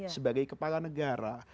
sebagai kepala negara